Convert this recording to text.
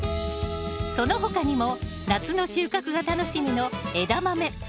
その他にも夏の収穫が楽しみのエダマメ。